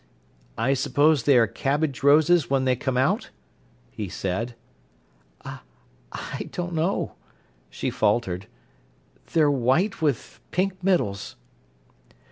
"I suppose they are cabbage roses when they come out?" he said. "I don't know," she faltered. "They're white with pink middles."